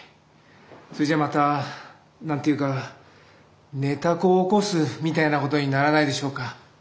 それじゃあまた何ていうか寝た子を起こすみたいなことにならないでしょうか？